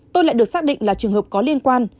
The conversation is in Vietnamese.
tôi lại được xác định là trường hợp có liên quan